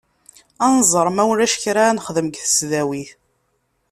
Ad nẓer ma ulac kra ara nexdem deg tesdawit.